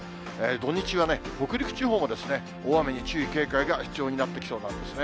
土日は北陸地方も大雨に注意、警戒が必要になってきそうなんですね。